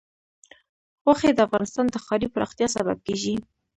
غوښې د افغانستان د ښاري پراختیا سبب کېږي.